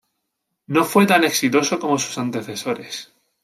No fue tan exitoso como sus antecesores.